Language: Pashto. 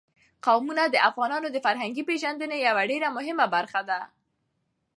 قومونه د افغانانو د فرهنګي پیژندنې یوه ډېره مهمه برخه ده.